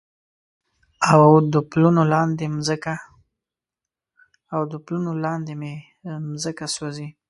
او د پلونو لاندې مې مځکه سوزي